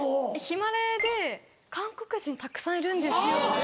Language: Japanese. ヒマラヤで韓国人たくさんいるんですよ。